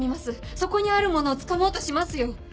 そこにあるものをつかもうとしますよ！